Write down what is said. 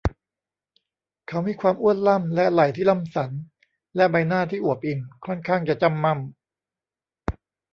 เขามีความอ้วนล่ำและไหล่ที่ล่ำสัน และใบหน้าที่อวบอิ่มค่อนข้างจะจ้ำม่ำ